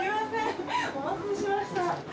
お待たせしました。